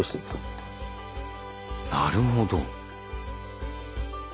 なるほど。